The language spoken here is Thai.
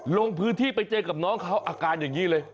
ลงพื้นที่ไปเจอกับน้องเขาอาการอย่างนี้เลย